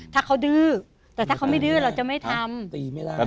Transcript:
ถ้าเขาดื้อแต่ถ้าเขาไม่ดื้อเราจะไม่ทำ